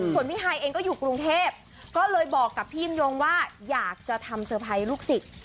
ส่วนพี่ฮายเองก็อยู่กรุงเทพก็เลยบอกกับพี่ยิ่งยงว่าอยากจะทำเซอร์ไพรส์ลูกศิษย์